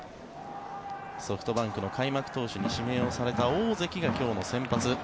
ソフトバンクの開幕投手に指名された大関が今日の先発。